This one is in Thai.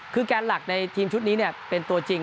คือแกนหลักในทีมชุดนี้เป็นตัวจริง